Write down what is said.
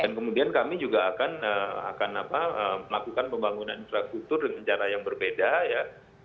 dan kemudian kami juga akan melakukan pembangunan infrastruktur dengan cara yang berbeda ya